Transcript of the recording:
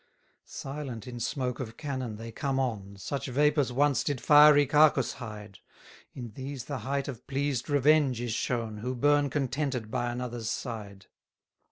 83 Silent in smoke of cannon they come on: Such vapours once did fiery Cacus hide: In these the height of pleased revenge is shown, Who burn contented by another's side.